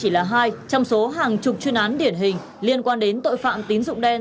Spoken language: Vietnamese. hai trong số hàng chục chuyên án điển hình liên quan đến tội phạm tín dụng đen